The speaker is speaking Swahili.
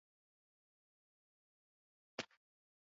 unajua there will be delay unajua unaandika kwanza